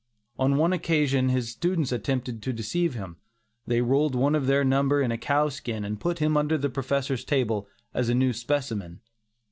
On one occasion his students attempted to deceive him. They rolled one of their number in a cow skin and put him under the Professor's table as a new specimen.